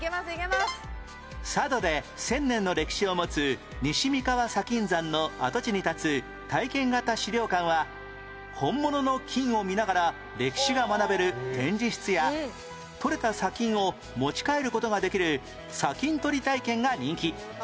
佐渡で１０００年の歴史を持つ西三川砂金山の跡地に立つ体験型資料館は本物の金を見ながら歴史が学べる展示室や採れた砂金を持ち帰る事ができる砂金採り体験が人気